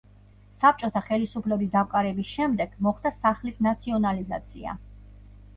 საბჭოთა ხელისუფლების დამყარების შემდეგ მოხდა სახლის ნაციონალიზაცია.